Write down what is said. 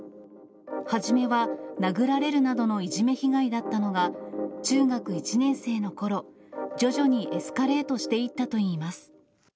初めは、殴られるなどのいじめ被害だったのが、中学１年生のころ、徐々にエスカレートしていったといいます。